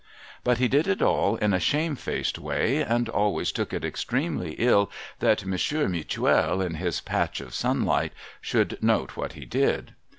But he did it all in a shamefaced way, and always took it extremely ill that Monsieur Mutuel in his patch of sunlight should note what he did.